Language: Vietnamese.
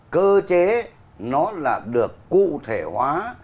cơ chế nó là được cụ thể hóa